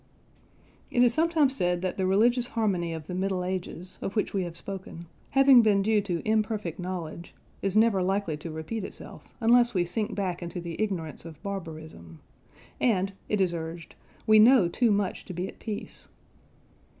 It is sometimes said that the religious harmony of the Middle Ages, of which we have spoken, having been due to imperfect knowledge, is never likely to repeat itself, unless we sink back into the ignorance of barbarism: and (it is urged) we know too much to be at peace.